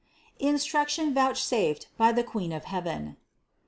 INSTRUCTION VOUCHSAFED BY THE QUEEN OF KEAVEN.